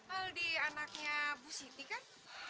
oh di anaknya bu siti kan